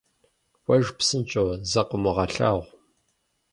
- КӀуэж, псынщӀэу, закъыумыгъэлъагъу!